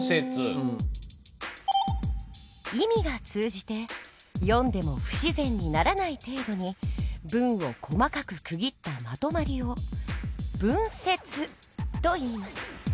意味が通じて読んでも不自然にならない程度に文を細かく区切ったまとまりを「文節」といいます。